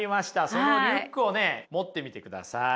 そのリュックをね持ってみてください。